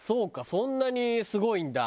そんなにすごいんだ。